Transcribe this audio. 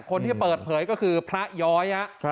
คนที่เปิดเผยก็คือพระย้อยครับ